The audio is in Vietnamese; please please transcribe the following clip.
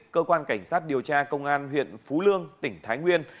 cơ quan cảnh sát điều tra công an huyện phú lương tỉnh thái nguyên